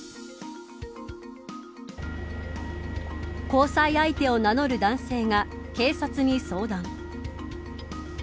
交際相手を名乗る男性が警察に相談。